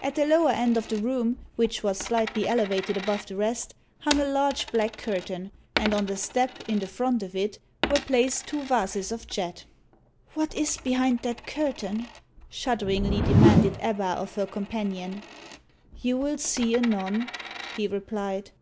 At the lower end of the room, which was slightly elevated above the rest, hung a large black curtain; and on the step, in the front of it, were placed two vases of jet. "What is behind that curtain?" shudderingly demanded Ebba of her companion. "You will see anon," he replied.